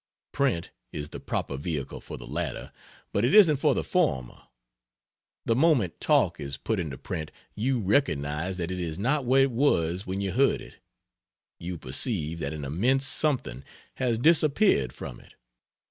Print is the proper vehicle for the latter, but it isn't for the former. The moment "talk" is put into print you recognize that it is not what it was when you heard it; you perceive that an immense something has disappeared from it.